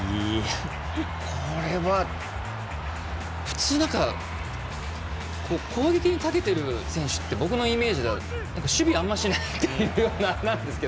普通、攻撃にたけてる選手って僕のイメージだと、守備あんまりしないっていうような。